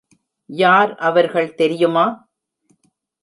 யார் அவர்கள் தெரியுமா?